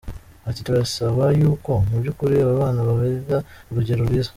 Ati “Turasaba y’uko mu by’ukuri aba bana bababera urugero rwiza.